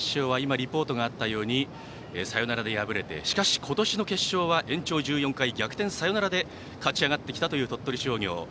今、リポートがあったようにサヨナラで敗れてしかし今年の決勝は延長１４回、逆転サヨナラで勝ち上がってきた鳥取商業。